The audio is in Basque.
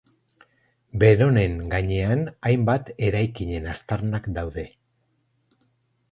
Beronen gainean hainbat eraikinen aztarnak daude.